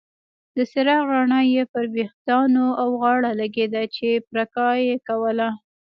د څراغ رڼا یې پر ویښتانو او غاړه لګیده چې پرکا یې ورکول.